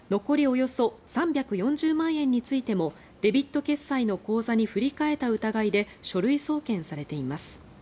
およそ３４０万円についてもデビット決済の口座に振り替えた疑いで書類送検されています。